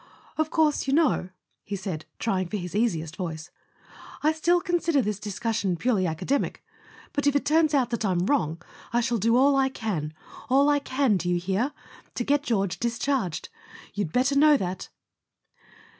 "Of course, you know," he said, trying for his easiest voice, "I still consider this discussion purely academic. .. But if it turns out that I'm wrong I shall do all I can—all I can, do you hear?—to get George discharged. .. You'd better know that.